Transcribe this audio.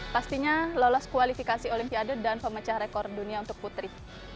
pastinya lolos kualifikasi olimpiade dan pemecah rekor dunia untuk putri